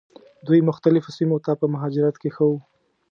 دوی مختلفو سیمو ته په مهاجرت کې ښه وو.